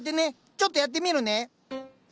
ちょっとやってみるね。